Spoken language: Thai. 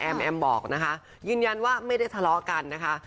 แอมบอกนะคะยืนยันว่าไม่ได้ทะเลาะกันนะคะ